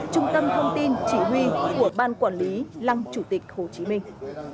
trung tâm thông tin chỉ huy của ban quản lý lăng chủ tịch hồ chí minh